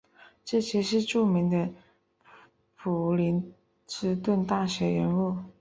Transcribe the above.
这些是著名的普林斯顿大学人物。